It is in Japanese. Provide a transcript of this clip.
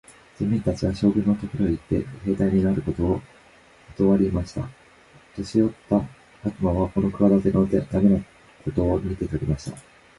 人民たちは、将軍のところへ行って、兵隊になることをことわりました。年よった悪魔はこの企ての駄目なことを見て取りました。